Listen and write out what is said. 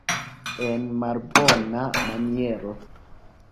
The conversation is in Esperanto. En malbona maniero.